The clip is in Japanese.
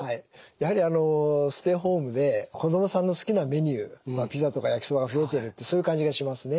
やはりあのステイホームで子どもさんの好きなメニューまあピザとか焼きそばが増えてるってそういう感じがしますね。